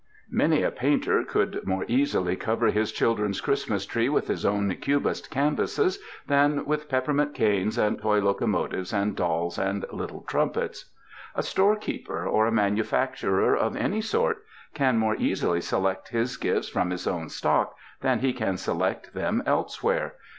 Many a painter could more easily cover his children's Christ mas tree with his own cubist canvases than with peppermint canes and toy locomotives and dolls and little trumpets. A storekeeper or a manufac turer of any sort can more easily select his gifts from his own stock than he can select them else where.